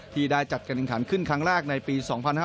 ที่ได้จัดการแข่งขันขึ้นครั้งแรกในปี๒๕๕๙